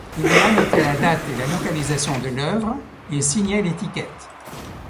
Il y annotait la date et la localisation de l'œuvre et signait l'étiquette.